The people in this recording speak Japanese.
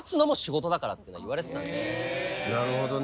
なるほどね。